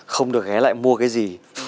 không được ghé lại mua cái gì